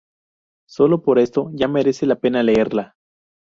Sólo por esto ya merece la pena leerla.